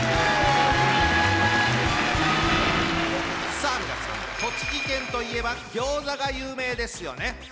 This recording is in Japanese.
さあ皆さん栃木県といえばギョーザが有名ですよね。